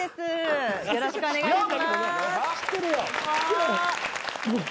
よろしくお願いします。